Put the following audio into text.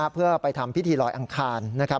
เพื่อไปทำพิธีรอยอังคารนะครับ